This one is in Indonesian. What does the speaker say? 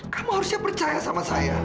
kamu harusnya percaya sama saya